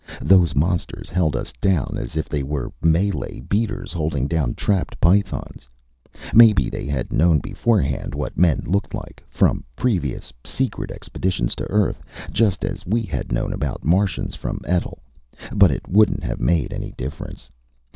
Those monsters held us down as if they were Malay beaters holding down trapped pythons. Maybe they had known beforehand what men looked like from previous, secret expeditions to Earth. Just as we had known about Martians from Etl. But it wouldn't have made any difference.